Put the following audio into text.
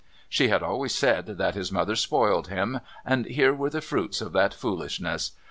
She had always said that his mother spoiled him, and here were the fruits of that foolishness.